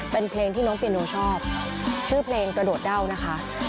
เป็นเพลงที่น้องเปียโนชอบชื่อเพลงกระโดดเด้านะคะ